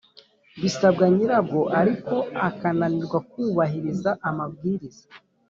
Bisabwa nyirabwo ariko akananirwa kubahiriza amabwiriza